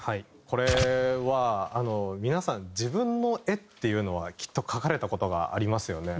これは皆さん自分の絵っていうのはきっと描かれた事がありますよね。